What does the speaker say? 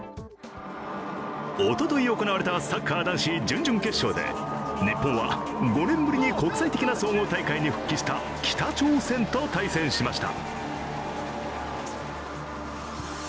おととい行われたサッカー男子準々決勝で日本は５年ぶりに国際的な総合大会に復帰した北朝鮮と対戦しました。